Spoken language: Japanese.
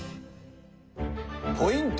ポイント